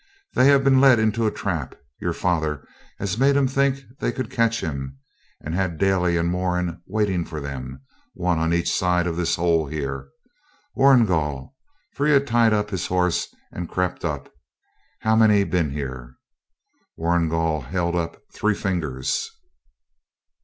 They have been led into a trap. Your father has made 'em think they could catch him; and had Daly and Moran waiting for them one on each side of this hole here. Warrigal' for he had tied up his horse and crept up 'how many bin here?' Warrigal held up three fingers.